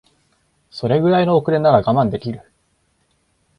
それぐらいの遅れなら我慢できる